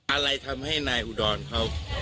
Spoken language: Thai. อะไรทำให้นายอุดรเขา